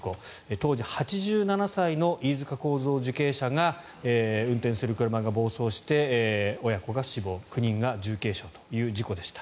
当時８７歳の飯塚幸三受刑者が運転する車が暴走して親子が死亡９人が重軽傷という事故でした。